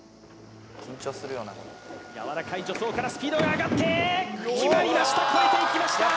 やわらかい助走からスピードが上がってきまりました越えていきました